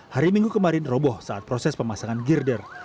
hari minggu kemarin roboh saat proses pemasangan girder